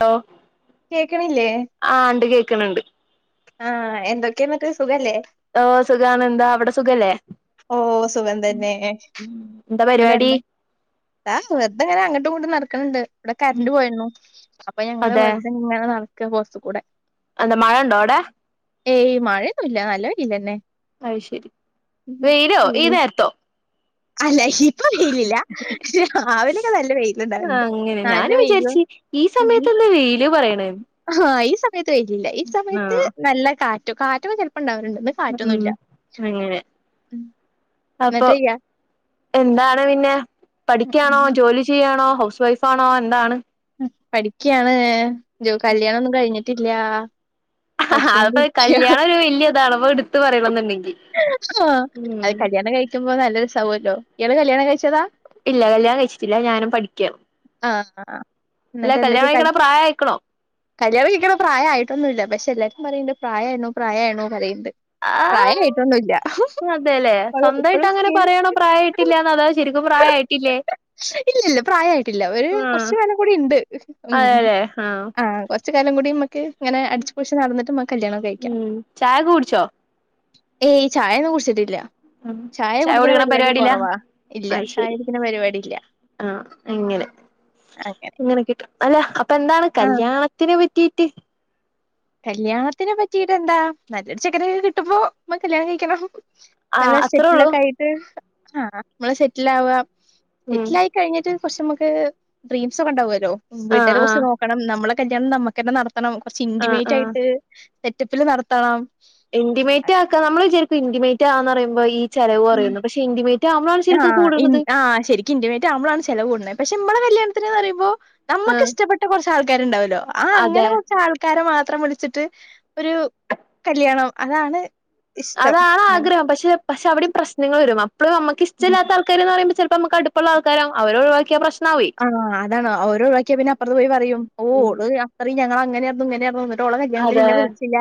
Hello കേക്കണില്ലേ ആഹ ണ്ട് കേക്കണണ്ട് ആഹ എന്തൊക്കെയ ന്നട്ട് സുഖല്ലേ ഓ സുഖാണ് എന്താ അവിടെ സുഖല്ലേ ഓ സുഖം തന്നെ എന്താ ന്നട്ട് പരിപാടി ന്താ ആഹ് വെറുതെങ്ങനെങ്ങട്ടുംങ്ങോട്ടും നടക്ക ക്കണ്ട് ഇവിടെ കറണ്ട് പോയിരുന്നു അപ്പൊ ഞങ്ങള് വെറുതെ ഇങ്ങനെ നടക്ക പോറത്തു കൂടെ അന്ത മഴ ഉണ്ടോഅവിടെ ഏയ് മഴയൊന്നുമല്ല നല്ല വയില്ലന്നെ അ ശരി വയിലോ ഈ നേരത്തോ അല്ല ഇപ്പൊ വെയിലില്ല പക്ഷ രാവിലൊക്കെ നല്ല വെയില ആ ഉണ്ടാവറുണ്ട് അങ്ങനെ നല്ല ഞാനും വെയിലും വിചാരിച്ച് ഈ ഉ വെയില് പറയണ് ആഹ ഈ സമയത്ത് വെയിൽ ഇല്ല ഈ ആ സമയത്ത് നല്ല കാറ്റും കാറ്റ ച ഉണ്ടാവണ്ട് ഉം കാറ്റൊന്നുമല്ല അങ്ങനെ അപ്പൊ എന്താണ് പിന്നെ പഠിക്കാണോ ജോലി ചെയ്യാണോ ഹൗസ് വൈഫ് ആണോ എന്താണ് പഠിക്കയാണ് കല്യാണൊന്നും കഴിഞ്ഞിട്ടില്ല അ പഠിച്ചോണ്ടിരിക്ക കല്യാണം ഒരു വലിയ ഇതാണ് അപ്പൊ എടുത്ത പറയണ എന്നുണ്ടെങ്കിൽ ആ അത് കല്യാണം കഴിക്കുമ്പോ നല്ലൊരു സൗഖല്ലോ ഇയാള് കല്യാണം കഴിച്ചതാ ഇല്ല കല്യാണം കഴിച്ചിട്ടില്ല ഞാനും പഠിക്കാ ആ എന്നിട്ട് എന്തൊക്കെയ പ്രായം ആയിക്കണോ കല്യാണം കഴിക്കണ പ്രായമായിട്ട് ന്നില്ല പക്ഷെ എല്ലാരും പറയണ്ട് പ്രായമയിണ് പ്രായമയിണ് പറയണ്ട് പ്രായട്ട അതെല്ലെ സ്വന്തമായിട്ട് അങ്ങനെ സ്കിൻ പറയണോ പ്രായ ഇട്ടില്ലന്ന് അതാ ശരിക്കും പ്രായമായിട്ടില്ലേ ഇല്ലല്ല പ്രായമായിട്ടില്ല ഒരു കൊറച്ചു പേനം കൂടി ഉണ്ട് ഉ അതെല്ലേ ആഹ് ആ് കൊറ ക കൂടി ഇനെ അടിച്ച് പോളിച്ചു നടന്നി ഉം ചായ കുടിച്ചോ ഏയ് ഈ ചായയന്നും കുടിച്ചിട്ടില്ല ചായ കുടിക്കുന്ന കുടിക്കണ പരിപാടി പരിപാടിയിലാ കൊറവാ ഇല്ല ചായ കുടിക്കുന്ന പരിപാടി ഇല്ല ആഹ എങ്ങനെ അങ്ങനെ ഇങ്ങനെ കിട്ടും അല്ലെ അപ്പൊന്ത എന്താണ് ആഹ് കല്യാണത്തിനെ പറ്റിട്ട് കല്യാണത്തിനെ പറ്റിയിട്ട് എന്താ നല്ലൊരു ചക്കനെ കിട്ടുമ്പോ നമ്മ കല്യാണം കഴിക്കണം നല്ല ആഹ് അത്രേ സെറ്റില ഉള്ളൂ ഒക്കെ ആയിട്ട് ആഹ നമ്മളെ സെറ്റിൽ ആവുക ഉം സെറ്റിലായി കഴിഞ്ഞിട്ട് കുറച്ച നമുക്ക് ഡ്രീംസ് ഒക്കെ ഉണ്ടാവും വരോ ആഹ് വീട്ടെരെ കൊറച്ച് ആഹ് നോക്കണം നമ്മളെ കല്യാണം നമ്മുക്കന്നെ നടത്തണം കൊറച്ച് ആഹ് ഇന്റിമേറ്റ് ആഹ് ആയിട്ട് സെറ്റപ്പില് നടത്തണം ഇന്റിമേറ്റ് ആക്കാം നമ്മള് വിചാരിക്കും ഇൻന്റിമേറ്റ് ആന്നറയുമ്പോ ഈ ചെലവ് ഉം കുറയുന്ന് പക്ഷെ ഇന്മേറ്റ് ആഹ് ആഹ ശരിക്കും ഇന്റിമേറ്റ് ആവുമ്പളാണ് ചെലവ കൂടുണത് പക്ഷെ മ്മളെ കല്യാണത്തിന്ന്ന് പറയുമ്പോ നമ്മക്ക് ആഹ് ഇഷ്ടപ്പെട്ട കൊറച്ച് ആൾക്കാരുണ്ടാവൊല്ലോ ആ അതെ അങ്ങനെ കൊറച്ച് ആൾക്കരെമാത്രം വിളിച്ചിട്ട് ഒരു കല്യാണം അതാണ് ഇഷ്ടം അതാണ് ആഗ്രഹം പക്ഷ പക്ഷെ അവിടം പ്രശ്നങ്ങള്‌ വെരും അപ്പളും അമ്മക്ക് ഉം ഇഷ്ടല്ലാത്ത ആൾക്കാര്ന്ന് റയുമ്പോ ചെലപ്പമ്മക്ക് അട്പ്പള്ള ആൾക്കാരാവും അവരെ ഒഴിവാക്കിയ പ്രശ്നാവും ആഹ് അതാണ് ഓരേ ഒഴിവാക്കിയാ പിന്നെ അപ്പറത്ത് പോയി പറയും ഓ ഉം ഓള് അത്രയും ഞങ്ങളങ്ങനേർന്നു ഇങ്ങെനേർന്നൂന്ന് ഓളെ കല്യാണത്തിന് അതെ ഇന്നെ വിളിച്ചില്ല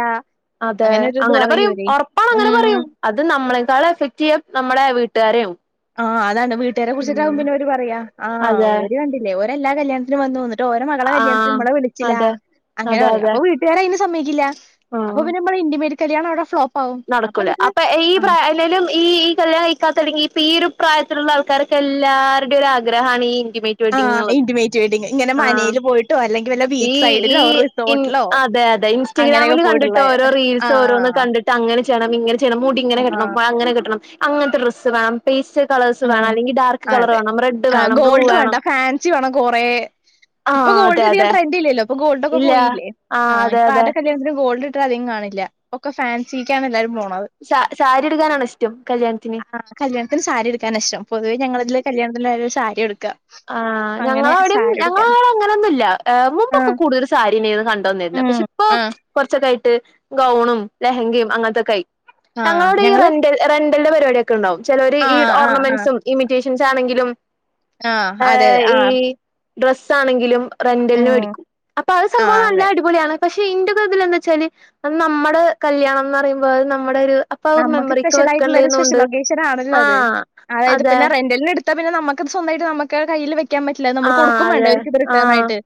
അതെ ഒരിത് അങ്ങനെ പറയും പറയൂവര്. ഒറപ്പാണങ്ങനെ പറയും അത് നമ്മളെക്കാളും എഫക്ട്യ്യാ നമ്മടെ വീട്ടാ രാവും ആഹ് അതാണ് വീട്ടാരെ കുറിച്ചക്കാവും പിന്നെ അവര് പറയാ ആ അതെ ഓര് കണ്ടില്ലേ ഓര് എല്ലാ കല്യാണത്തിനും വന്ന്പ്പോവും എ ന്ന്ട്ട് ഓരെ മകളെ കല്യാണത്തിന് ആഹ് മ്മളെ വിളിച്ചിലാ അതെ അങ്ങനെ അതെ പറയും അതെ അപ്പൊ വീട്ടുകാരയിന് സമ്മയിക്കില്ല അപ്പൊ ആഹ് പിന്നമ്മള് ഇൻിമേറ്റ് കല്യാണവ്ടെ ഫ്ലോപ്പാ നടക്കൂല അപ്പൊ ഈ പ്രായ അല്ലേലും ഈ ഈ കല്യാണം കഴിക്കാത്തല്ലെങ്കി ഇപ്പ ഈ ഒരു പ്രായത്തിലുള്ള ആൾക്കാര്ക്കെല്ലാരുടീം ഒരു ആഗ്രഹാണ് ഈ ഇന്റിമേറ്റ് ആ വെഡ്ഡിങ് എന്ന്ള്ളത് ഇന്റിമേറ്റ് വെഡിങ്. ഇങ്ങനെ ആ മനയില് പോയിട്ടോ അല്ലെങ്കിൽ വല്ല ബീച്ച് ഈ ഈ സൈഡിലോ ഇൻ റിസോർട്ടിലോ അതെ അതെ അങ്ങനെയൊക്കെ ഇൻസ്റ്റാഗ്രാമില് പോയിട്ടുള്ള കണ്ടിട്ടോരോ ആ. റീൽസ് ഓരോന്ന് കണ്ടിട്ട് [unintelligible] അങ്ങനെ ചെയ്യണം ഇങ്ങനെ ചെയ്യണം മുടി ആ. ഇങ്ങനെ ആ. കെട്ടണം വ അങ്ങനെ കെട്ടണം അങ്ങൻത്തെ ഡ്രസ്സ് വേണം പേസ് കളേ്സ് ആ. വേണം അല്ലെങ്കി ഡാർക്ക് കളറ് വേണം റെഡ് വേണം ബ്ലൂ വേണം [unintelligible] ച വേണം കൊറെേ ഇപ്പൊ ആഹ് അതെ ഗോൾഡ് അധികം അതെ ട്രെന്റില്ലല്ലോ ഇപ്പൊ ഗോൾഡ്ക്കെ ഇല്ല പോയില്ലേ ആ ആഹ് അതെ ഇപ്പ അതെ ആര്ടെ കല്യാണത്തിനും ഗോൾഡ് [unintelligible] അധികം കാണില്ല ഒക്ക ഫാൻസി ക്കാണ് എല്ലാരും പോണ സാ സാരി ഉടുക്കാനാണ് ഇഷ്ടം കല്യാണത്തിന് [unintelligible] [inaudible] കല്ല്യാണത്തിന് സാരി എട് ക്കാനിഷ്ടം പൊതുവെ ഞങ്ങളതില് കല്യാണത്തിന് ല്ലാരും സാരിയുടുക്ക. ആ ഞങ്ങളവിടിം ഞങ്ങളവ്ടെ അങ്ങനൊന്നുല്ല ഏഹ് ആ മുമ്പൊക്കെ കൂടുതൽ സാരിനേന്നു കണ്ടന്നിരുന്നേ. ഉം പക്ഷെ ഇപ്പോ ആ കൊറച്ചൊക്കായി ഗൗണും ലെഹങ്കയും അങ്ങനത്തൊക്കായി ആ ങ്ങങ്ങളോടെ ഈ ഞങ്ങള് റന്റെല റന്റ്ൽന്റ പരിപാടി ഒക്കെ ണ്ടാവും ചെലോര് ആ ഈ ആ ആ ഓർണമെന്റ്സും ഇമിറ്റേഷൻസ് ആണെങ്കിലും ആ ഏ അതെ അതെ ആ ഈ ഡ്രസ്സ് ആണെങ്കിലും റെന്റലിന് ഉം വേടിക്കും. അപ്പൊ അത് ആ സംഭവം നല്ല അതെ അടിപൊളിയാണ് പക്ഷെ ഇ ഇതിലെന്തച്ചാല് അത്‌ നമ്മടെ കല്യാണന്നറയുമ്പോ അത് നമ്മടെ ഒരു അപ്പൊ അത് നമുക്ക് മെമ്മറിക്ക് സ്പെഷ്യൽ ആയിട്ടുള്ളൊരു സ്പെഷ്യൽ വെക്കണ്ടേന്നുണ്ട് ഒക്കേഷൻ ആണല്ലോ അത് ആഹ് അതായത് അതെ പിന്നെ റെന്റൽന് എടു ത്ത പിന്നെ നമക്കത് സ്വന്തായിട്ട് നമക്ക് കയ്യില് വെക്കാ പറ്റില്ല ആഹ് നമ്മള്കൊടുക്കും വേണ്ടേ അതെ അവരിക്ക്ത് ആഹ് റിട്ടേണായിട്ട്.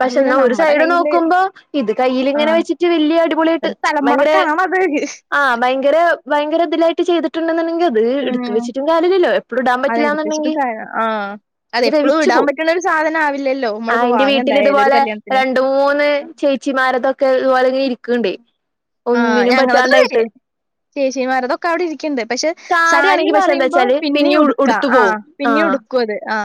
പക്ഷെ ന്നാ ഒരു സൈഡ് നോക്കുമ്പോ ഇത് കയ്യില്ങ്ങനെ ആഹ് വെച്ചിട്ട് വല്ല്യ അടിപൊളിയായിട്ട് ഒരു [inaudible] സ്ഥലം ഭയങ്കരേ [unintelligible] ആ ഭയങ്കര ഭയങ്കര ഇതിലായിട്ട് ചെയ്തിട്ടുണ്ടെന്നുണ്ടെങ്കി അത് എടുത്ത് ഉം. വെച്ചിട്ടും കാര്യല്ലല്ലോ. എപ്പളും ഇടാൻ അതെടുത്തുവെച്ചിട്ട് പറ്റില്ലാന്നുണ്ടെങ്കി കാര്യ ആഹ്. അതെപ്പളും ധ്രെവിച്ചു ഇടാൻ പോവും. പറ്റണ ഒരു സാധനാവില്ലല്ലോ. ആ നമ്മളിപ്പോ ഇന്റെ വാങ്ങെന്തായാലും ഒരു വീട്ടലിതുപോലെ കല്യാണത്തിന്. രണ്ടു മൂന്ന് ചേച്ചിമാരതൊക്കെ ഇതുപോലെ [unintelligible] രിക്ക്ണ്ടേ ആഹ് ഒന്നിനും ഞങ്ങളത് അതെ. പറ്റാണ്ടായിട്ട് ചേച്ചിമാരതൊക്കെ അവിടെ ഇരിക്കിണ്ട് പക്ഷെ സാരിയാണെങ്കി പക്ഷെ സാരിന്ന്റയുമ്പോ എന്താച്ചാല് പിന്നിം ഉ ഉടു ക്ക ഉടുത്തു ആ പോവും പിന്നിം ആഹ് ഉടുക്കത് ആ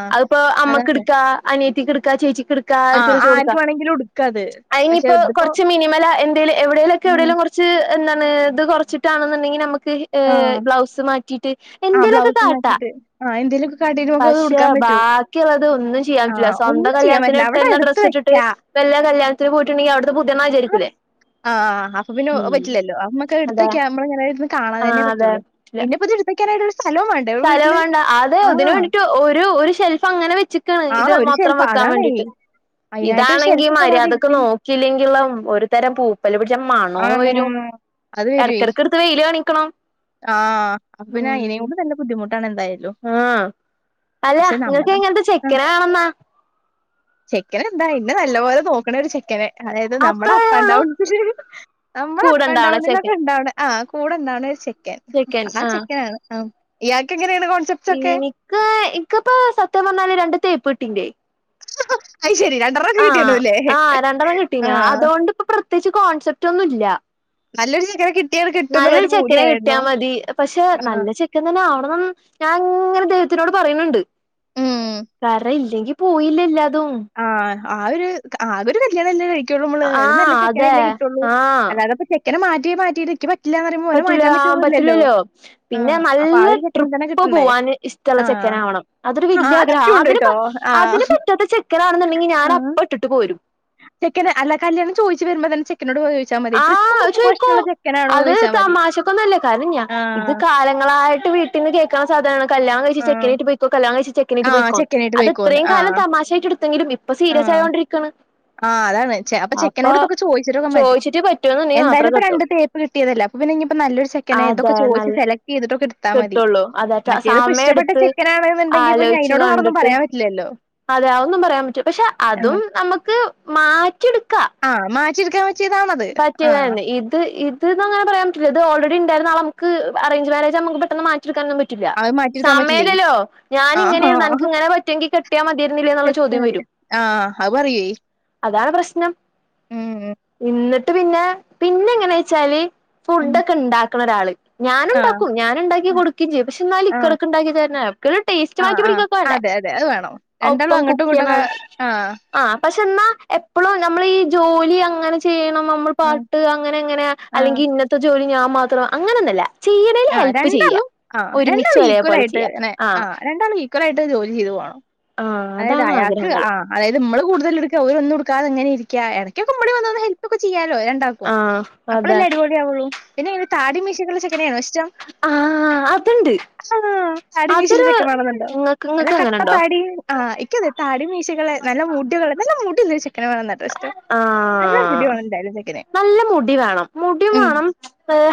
അതാണ് അനിയത്തിക്ക്ട്ക്കാ ചേച്ചിക്ക്ട് ആഹ് [unintelligible] കൊടുക്ക ആർക്ക് വേണെങ്കിലും ഉടുക്കാത്. പക്ഷെ അയിഞ്ഞിപ്പോ ഇതിപ്പോ കൊറച്ച് മിനിമല എന്തേലും എവിടെലും ഒക്കെ ഉം എവിടെലും കൊറച്ച് എന്താണ് ഇത് കൊറച്ചിട്ടാണെന്നുണ്ടെങ്കി നമക്ക് ആഹ് ബ്ലൗസ് മാറ്റിട്ട് ആഹ് എന്തേലൊക്കെ ബ്ലൗസ് കാട്ടാ മാറ്റിയിട്ട് ആഹ് എന്തേലൊക്കെ കാട്ടീട്ട് നമുക്കത് പക്ഷെ ഉടുക്കാൻ പറ്റും. ബാക്കിള്ളത് ഒന്നും ചെയ്യാപറ്റൂല്ല ആഹ് സ്വന്തം ഒന്നും ചെയ്യാൻ കല്യാണത്തിന് പറ്റില്ല. അവിടെ ഇട്ട്ന്ന എടുത്ത് ഡ്രസ്സ് ഇട്ടിട്ട് വെക്കാ. വല്ല കല്യാണത്തിന് പോയിട്ട്ണ്ടെങ്കി അവ്ടത്തെ പുതിയെള്ളാ വിചാരിക്കൂല്ലേ ആ ആ അപ്പൊപിന്നെ അത്പറ്റില്ലല്ലോ അമ്മക്ക അതാ എടുത്തൊക്യ ഞ്ഞമ്മളയിങ്ങനെയിര്ന്ന് കാണാൻ അതന്നെ ആഹ് അതെ പറ്റോള്ളൂ പിന്നെപ്പതിട്ട്ത്തക്കാനായിട്ടൊരു സ്ഥ സ്ഥലവും വേണ്ട അതെ അതിന് വേണ്ടിട്ട് ഒരു ഒരു ഷെൽഫ് അങ്ങനെ വെച്ചക്കണ് ഇത് മാത്രം വെക്ക അതാന്നേ ഇതാണെങ്കി മര്യാദക്ക് നോക്കിയില്ലെങ്കിലുള്ള ഒരു തരം പൂ പൂപ്പല് പിടിച്ച മണോം വരും ആഹ് അത് വരുവേ ഇടയ്ക്കിടയ്ക്ക് എടുത്ത് വെയില് കാണിക്കണം ആഹ് അപ്പൊ പിന്നെ അയിനെ ഉം കൊണ്ട് തന്നെ ആഹ് അല്ല പക്ഷെ നിങ്ങൾക്ക് നമ്മടെ എങ്ങനത്തെ ചെക്കനെവേണോന്നാ ചെിക്കന എന്താ ഇന്നെ നല്ല പോോലെ നോക്കണ ഒരു ചെക്കന് അതായത് നമ്മുടെ അത്രയേ അപ്പ് ആൻഡ് ഉള്ളൂ ഡൗൺ നമ്മൾ അപ്പ് ആൻഡ് കൂടെണ്ടാവണ ഡൗണിലൊക്കെ ചെക്കൻ ഇണ്ടാവ്ണ ആ് കൂടെന്താവണ ഒരു ചെക്കൻ ആ ചെക്കന ആണ് ആ എനിക്ക് എനിക്കിപ്പ സത്യം പറഞ്ഞാല് രണ്ട തേപ്പട്ടിന്റെേ ആ ആഹ ആഹ രണ്ടെരണം കിട്ടീന ആഹ് അതുകൊണ്ട്ിപ്പോ പ്രത്യേകിച്ച് കോൺസെപ്റ്റ് ഒന്നും ഇല്ല നല്ലൊരു ചക്കര കി നല്ല ഒരു ചെക്കനെ കിട്ടിയാൽ മതി പക്ഷെ ആഹ് നല്ല ചെക്കൻ തന്നെ ആവണം ന്ന് ഞാൻ അങ്ങനെ ദൈവത്തിനോട് പറിനിണ്ട് ഉം കറ ഇല്ലെങ്കിൽ പോയില്ലേ ആഹ ആ ഒരു ആക ഒരു കല്യാണം തന്നെ കഴ കൂ നമ്മള് ഒരു ആഹ് നല്ല ചെക്കെനെ അതെ അല്ലേ കട്ടുള്ളൂ അല്ലാത ചെക്കന മാറ്റേ മാറ്റി നക്കറ്റ പറ്റല ആ പറ്റലല്ലോ പിന്നെ ആഹ് അപ്പൊ ആ നല്ല ഒരു ചെക്കനെ തന്നെ ട്രിപ്പ് കിട്ടണ്ടേ പോവാൻ ഇഷ്ടുള്ള ചെക്ക ആഹ് ചെകാനവണം അതൊരു ആഹ് വല്്രഹ അ അതിക്കുണ്ട് ട്ടോ പാെ ആഹ് ാണെന്നുണ്ടെങ്ക ഞൻ അപ്പ ഇട്ടിട്ടു പോരും ചെക്കന അല്ലാ കല്ല്യാണം ചോദിച്ചു വരുമ്പോന്നെ ചെ ആഹ അത് ചോദിക്കും ചെക്കനാണോന്ന് അത് ചോദിച്ചാൽ മതി തമാശക്കൊന്നല്ല കാരണം ഞാൻ ഇത് ആഹ് കാലങ്ങ നിങ്ങളായിട്ട് വീട്ട നിന്ന് കേൾക്കുള്ള സാധാനമാണ് കല്ല്യാണം കഴി ആഹ് ചെക്കനട്ട പോയിക്കോ കല്ലാ കഴിച്ച ചെക്കനറ്റ് ആഹ് പോയിക്കോ ചെക്കനായിട്ട് പോയിക്കോന്ന് അത്െത്രയും കാലം ആഹ് തമാശായിട്ട് എടുത്തെങ്കിലും ഇപ്പൊ സീരിയസ് ആഹ് ആയൊണ്ടിരിക്കാണ് ആഹ് അതാണ് അപ്പൊ ചെക്കനോട് ഇത്തൊക്കെ ചോദിച്ചിട്ടോക്കാൻ മതി ചോയിച്ചിട്ട് പറ്റുവെന്നുണ്ടെങ്കി എന്തായാലും മാത്രേ ഇപ്പോ രണ്ട് കെട്ടുള്ളൂ തേപ്പ് കിട്ടിയതല്ല അപ്പ പിന്ന ഇനിയിപ്പോ നല്ലൊരുെക്കൻ ഇതൊക്കെ അതെ ചോച്ച് നല്ല സെലക്ട് ചെയ്തിട്ടൊക്കെ ഇടുത്താ മതി കിട്ടുള്ളൂ അതെ മറ്റേതിപ്പോ സമയം ഇഷ്ടപ്പെട്ട എടുത്ത് ചെക്കനാണെന്നുണ്ടെങ്കി ഇപ്പൊ ഞാൻതിനോട് വേറൊന്നും പറയാൻ പറ്റില്ലല്ലോ അതെയൊന്നും പറയാൻ പറ്റൂ പക്ഷെ അതും നമുക്ക് മാറ്റിെടുക്ക ആഹ മാ ചിർഗ പറ്റിയത തന്നെ ഇത് ഇത്ന്ന് അങ്ങനെ പറയാൻ പറ്റില്ല ഇത് ഓൾറെഡി നമുക്ക് അറേഞ്ച് മാരേജ് നമുക്ക് പെട്ടന്ന് മാറ്റി പറ്റില്ല അത് മാറ്റിയെടുക്കാൻ പറ്റില്ലേ? സമയല്ലല്ലോ ആഹ്. ഞാനിങ്ങനെനക്ക് ആഹ്. ഇങ്ങനെ പറ്റെങ്കിൽ കെട്ടിയാൽ മതിയരുന്നില്ലേ എന്നുള്ള സെറ്റ് ചോദ്യം വരും ആഹ് അവ പററിയേ അതാണ് പ്രശ്നം എന്നിട്ട് പിന്നെ പിന്നെ എങ്ങനെ വെച്ചാല് ഉം. ഫുഡ ഒക്കെ ഉണ്ടാക്കണ ഒരാള് ഞാനും ആഹ്. ഉണ്ടാക്കും ഞാനൻ ഉണ്ടാക്കി കൊടുക്കയും ചെയ്യും പക്ഷെ എന്നാലും ആഹ്. ഇടക്ക ഉണ്ടാക്കി തര ഒരു ടേസ്റ്റ് ആഹ്. മാറ്റി ആഹ്. പിടിക്കാക്കണ്ടേ അതെ അതെ അത് വേണംോ രണ്ടാള്ളം അങ്ങോട്ടും ഇങ്ങോട്ടുംൊക്കെ ആഹ് ആ പക്ഷെ എന്നാ എപ്പോഴും നമ്മൾീഈ ജോലി അങ്ങനെ ചെയ്യണം നമ്മൾ ആഹ്. പാട്ട് അങ്ങനെ അങ്ങനെ ആഹ്. അല്ലെങ്കിൽ ഇന്നത്തെ ജോലി ഞാൻ മാത്രം അങ്ങനൊന്നല്ല ചെയ്യണേൽ ആ ഹെൽപ്പ് ചെയ്യ രണ്ടാളും ആ ഒരുമിച്ച് രണ്ടാളും ഈക്വൽ ഒരേപോലെ ആയിട്ട്െ ചെയ്യാ ആ ആഹ് രണ്ടാളും ഈക്വൽ ആയിട്ട് ജോലി ചെയ്ത് പോണം ആഹ് അതായത് അതാണ് അയാൾക്ക് ആഗ്രഹങ്ങള് ആ് അതത് നമ്മള് കൂടുതൽ എടുക്ക ഒന്നും ാതെങ്ങനെ ഇരിക്കാ ഇടയ്ക്കൊക്കെ മമ്മടി വന്ന ഹെൽപ് ഒക്കെ ചെയ്യാാലോ രണ്ടാക്കും ആഹ് അതെ അപ്പഴെല്ലാ അരിപാടിിയവുള്ളൂ പിന്നെ അെ താടി മീശക്കുള്ള ചെക്കന ആണോ ഇഷ്ടം ആഹ് അതുണ്ട് ആ താടി അതൊരു മീശിലിൊക്കെ വേണെന്നണ്ടോ ഇങ്ങക്ക് അല്ലെ ഇങ്ങക്ക് കട്ട അങ്ങനെണ്ടോ താടിയും ആഹ് ഇിക്ക അെ താടി മീശകെ നല്ല മൂടി ഒക്കെള്ള നല്ല മൂടി നിന്ന് ചെക്കന വേണം ന ഡ്ര എല്ല ആഹ് കുടിയോണന്തല്ല സെക്ക നല്ല മുടി വേണം മുടിയും വേണം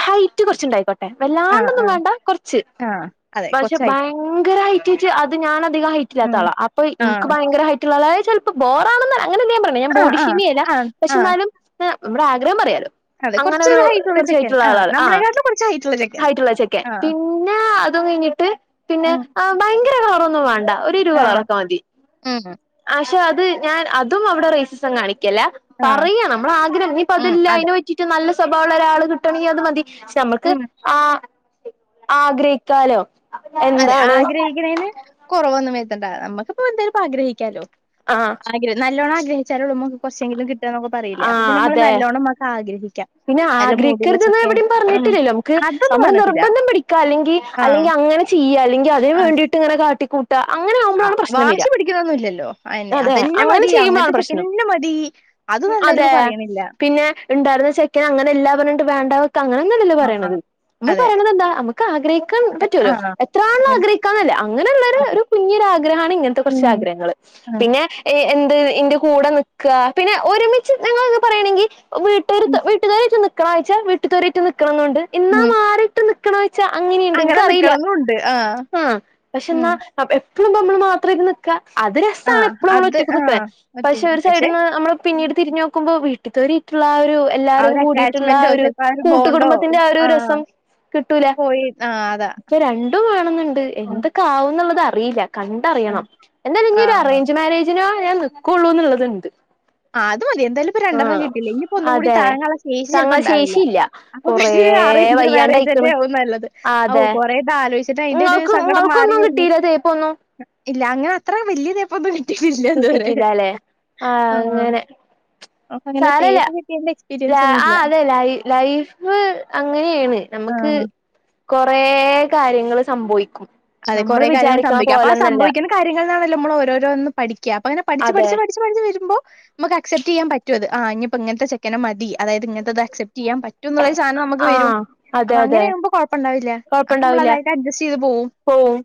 ഹൈറ്റ് കുറച്ചുണ്ടായിക്കോട്ടെ ആ വല്ലാണ്ടൊന്നും ആ വേണ്ട കൊറച്ച് ആ അതെ പക്ഷെ കുറച്ചായിട്ട് ഭയങ്കരമായിട്ടട്ട് അത് ഞൻ അത് അ ഹൈറ്റ്ില്ലാത്ത ഉം ആളാണ് അപ്പോ ആ എനിക്ക് ഭയര ഹൈട്ടുള്ള അതായ ചിലപ്പോ ബോറാണ അങ്ങനെല്ല ഞാൻ ആ ആ പറീണേ പിന്നേ ആ പക്ഷെ ആ ന്നാലും നമ്മുടെ ആഗ്രഹം പറയാാലോ അതെ അങ്ങനെരു കുറച്ചൊരു ഹൈറ്റുള്ള ചെക്കൻ കുറച്ചായിട്ടുള്ള ആളാണ് ആ നമ്മളെക്കാട്ടിലും കുറച്ച് ഹൈറ്റുള്ള ചെക്കൻ ഹയിട്ടുള്ള ചെക്കെ ആ പിന്നെ അത കഴിഞ്ഞിട്ട് പിന്നെ ഉം ആ ഭയങ്കര കളറൊന്നും വേണ്ട ഒ ഇരു ആ കളറൊക്കെ മതി ഉം പക്ഷെ അത് ഞാൻ അതും അവിടെ റേസസും കാണിക്കും ആ പറയയാ നമ്മൾ ആഗ്രഹം ഇനി ഉം പതില്ല അതെ അതിനെ പറ്റിട്ട് നല്ല സ്വഭാവുള്ളള്ള ഒരാൾ കിട്ടണെങ്ക അത് മതി നമുക്ക് ഉം ആ ആഗ്രഹിക്കാലോ അതെ എന്താണ് ആഗ്രഹിക്കുന്നേന് കുറവൊന്നും വര്ത്തണ്ട നമ്മുക്കിപ്പോ എന്തായാലുംപ്പ ആഗ്രഹിക്കാലോ ആ ആഗ്രഹം നല്ലോണം ആഗ്രഹിച്ചാലൊള്ളൂ നമുക്ക് കുറച്ചെങ്കിലുകിട്ടുള്ളു പറയില്ലേ അപ്പോ ആഹ് പിന്നെ നമ്മള് അതെ നല്ലോണം വന്ന് ആഗ്രഹിക്കും പിന്നെ ആഗ്രഹിക്കരുതെന്ന് എവിടിയും ഉം പറഞ്ഞിട്ടില്ലല്ലോ നമുക്ക് അതൊന്നും നമ്മള് പറഞ്ഞിട്ടില്ല നിർബന്ധം പിടിക്കാം അല്ലെങ്കിൽ ആഹ് അല്ലെങ്കിൽ അങ്ങനെ ചെയ്യാ അല്ലെങ്കിൽ അതിന് ആഹ് വേണ്ടീട്ട് ഇങ്ങനെ കാട്ടികൂട്ട് അങ്ങനെ ആഹ് ആവുമ്പോഴാണ് പ്രശ്നം വരിക വാശി പിടിക്കണൊന്നും ഇല്ലല്ലോ അയന്നെ അതെ അതന്നെ അതെന്നെ അങ്ങനെ മതി ചെയ്യുമ്പോഴാണ് അങ്ങനത്തെ പ്രശ്നം ചെക്കനന്നെ മതി അതൊന്നും എന്തായാലും അതെ ഇപ്പ പറയണില്ല പിന്നെ ഉണ്ടായിരുന്ന ചെക്കന് അങ്ങനെ എല്ലാം പറഞ്ഞോണ്ട് വേണ്ട അങ്ങനൊന്നുവല്ലല്ലോ ആഹ് പറയണത് നമ്മൾ അതെ പറയണത് എന്താ നമുക്ക് ആഗ്രഹിക്കാൻ പറ്റുല്ലോ ആഹ് എത്രാൾ അങ്ങനെ ആഗ്രഹിക്കാന്നല്ലേ അതെ അങ്ങനെയുള്ളോര് കുഞ്ഞൊരാ ഗ്രഹാണ് ഇങ്ങനത്തെ കുറച്ച് ഉം ആഗ്രഹങ്ങൾ ആഹ് പിന്നെ എ യെൻ എന്റെ കൂടെ നിക്കുക പിന്നെ ഒരുമിച്ച് ഞങ്ങള് പറയാണെങ്കിൽ ഉം വിട്ടുകാര് വീട്ടുകാര് വാഴ്ച വീട്ട് തോട്ട് നിൽക്കണമെന്നുണ്ട് എന്നാ ഉം. മാറിയിട്ട് നിക്കണ ച്ച അങ്ങനെയുണ്ട് അങ്ങനെ എനിക്കറിയില്ല നിക്കണന്നുണ്ട് ആഹ് പക്ഷെ എന്നാ ഉം [unintelligible] നമ്മൾ മാത്രേം ഇങ്ങനെ നിക്കുക അത് രസാണ് ആഹ് ഇപ്പോളും നമ്മൾ അത് ഒറ്റയ്ക്ക് നിക്കണെ ആഹ് പക്ഷെ ഒറ്റയ്ക്ക് ഒരു സൈഡിന്ന് പക്ഷെ നമ്മള് പിന്നീട് തിരിഞ്ഞു നോക്കുമ്പോ വി ഇതുവരെയിട്ടുള്ള ആ ഒരു ആ എല്ലാരും ഒരു കൂടിട്ടുള്ള ആ അറ്റാച്ച്മെന്റോ ഒരു ചെലപ്പോ ബോണ്ടോ കൂട്ടുകുടുംബത്തിന്റെ ആ ഒരു രസം കിട്ടൂല പോയി ആ അതാ. ഇച്ച് രണ്ടും വേണംന്നുണ്ട് ഉം എന്തൊക്കെ ആവുംന്നുള്ളതാ അറിയില്ല ഉം. കണ്ടറിയണം എന്തായാലും ആ ഇനിഒരു അറേഞ്ച് മാരേജിനേ ഞാൻ നിക്കുള്ളൂ എന്നത്ണ്ട് ആ അത് മതി എന്തായാലും ഇപ്പോരണ്ടെണ്ണം കെട്ടിയില്ലേ ഇനിയിപ്പോ ഒന്നും കൂടി അതെ താങ്ങാനുള്ള ശേഷി ചെലപ്പോ താങ്ങാൻ ഉണ്ടാവില്ല ശേഷിയില്ല അപ്പൊ കൊറേ പിന്നെ അറേഞ്ച്ട് മേര്യേജ് വയ്യാണ്ടയിക്കണ് തന്നാവും നല്ലത് അതാവു അതെ കൊറേ നാൾ അതിന്റെ ഒരു നിങ്ങൾക്ക് സങ്കടം മാറി നിങ്ങൾക്കൊന്നും വരുന്നേ കിട്ടീല്ലേ തേപ്പൊന്നും ഇല്ല അങ്ങനെ അത്രേം വല്യ ടൈപ് ഒന്നുല്ല കിട്ടിട്ടില്ലാല്ലെ ആ അങ്ങനെ അപ്പോ ഇങ്ങനെ തേപ്പ് കിട്ടിയേന്റെ ല ആ അതെ ലൈ ലൈഫ് അങ്ങനെയാണ് ആ നമുക്ക് കൊറേ കാര്യങ്ങൾ സംഭവിക്കും അതെ നമ്മള് കുറെ കാര്യങ്ങൾ വിചാരിക്കണ സംഭവിക്കും അപ്പോ ആ പോലൊന്നല്ല സംഭവിക്കുന്ന കാര്യങ്ങൾന്നാണല്ലോ നമ്മൾ ഓരോ രോന്നും പഠി അപ്പൊ ഇങ്ങനെ പഠിച്ച് പഠിച്ച് വരുമ്പോ നമ്മക്ക് അസെ്പ്റ്റ് ചെയ്യാൻ പറ്റ ആ ഇഞ്ഞിപ്പോ ഇങ്ങനത്തെ ചെക്കനെ മതി അതായത് ഇങ്ങനത്തേത് അസെ്പ്റ്റ് ചെയ്യാൻ പറ്റ് റ്റൂന്നൊരുസാനം നമുക്ക് വരും ആഹ് അതെ അങ്ങനെ അതെ ആകുമ്പോ കുഴപ്പോണ്ടാവില്ല അപ്പോ നമ്മള് കൊഴപ്പുണ്ടാവില്ല അത് അഡ്ജസ്റ്റ് ചെയ്ത് പോവും പോവും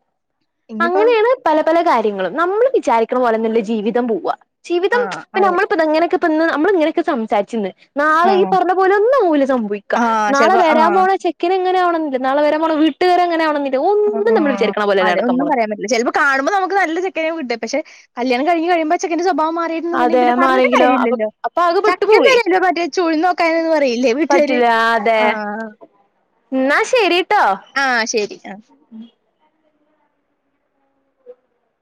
ഇനിയിപ്പോ അങ്ങനെയാണ് പല പല കാര്യങ്ങളും നമ്മള് വിചാരിക്കണ പോലൊന്നുവല്ല ജീവിതം പോവാ ആ ജീവിതം ഇപ്പൊ അതെ. നമ്മള് ഇങ്ങനൊക്കെ പ്പോ ഇന്ന് നമ്മള് ഇങ്ങനെയൊക്കെ സംസാരിച്ചുന്ന് ആ നാളെ ഈ പറഞ്ഞ പോലെ ഒന്നാവൂല സംഭവിക്ക ആ നാളെ ചെലപ്പോ ആ വരാൻ പോണ ചെക്കൻ എങ്ങനെയാ നാളെ വരാൻപോണ വീട്ടുകാര് എങ്ങനെയാവണോന്നില്ല ഒന്നും നമ്മള് ആഹ് വിചരിക്കണ പോലെ അല്ല അതെ നട ഒന്നും പറയാൻപറ്റില്ല ചിലപ്പോ കാണുമ്പോ നമുക്ക്‌ നല്ലചെക്കനാവും പക്ഷെ കല്യാണം കഴിഞ്ഞ് കഴിയുമ്പോ ചെക്കന്റെ സ്വഭാവം മാറിയിട്ടുന്നുണ്ടെങ്കിൽ അതെ പിന്നെ പറഞ്ഞിട്ട് മാറിയെങ്കിലോ അപ്പൊ കാര്യമില്ലല്ലോ അപ്പൊ ആകെ പെട്ടു പോവേ ചക്കേന്നുവല്ലല്ലോ മറ്റേ ചുഴ്ന്ന് നോക്കാൻന്ന് പറയില്ലേ വീട്ടുകാര് ല്ലാതെ ആ എന്നാ ശെരി ആ ശെരി ആ